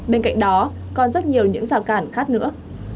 bên cạnh đó còn rất nhiều những rào cản khác nữa